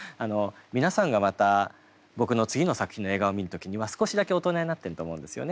皆さんがまた僕の次の作品の映画を見る時には少しだけ大人になってると思うんですよね。